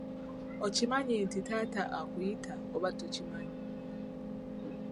Okimanyi nti taata akuyita oba tokimanyi?